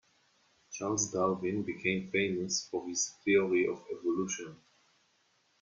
Charles Darwin became famous for his theory of evolution.